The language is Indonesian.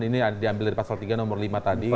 ini diambil dari pasal tiga nomor lima tadi